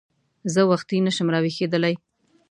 زه وختي نه شم راویښېدلی !